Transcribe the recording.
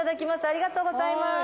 ありがとうございます。